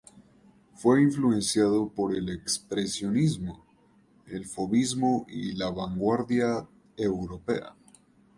Fue influenciado por el expresionismo, el fovismo y la vanguardia europea.